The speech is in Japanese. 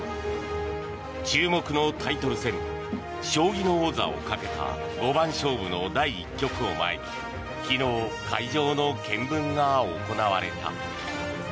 注目のタイトル戦将棋の王座をかけた五番勝負の第１局を前に昨日、会場の検分が行われた。